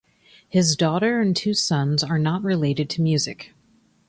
His daughter and two sons are not related to music.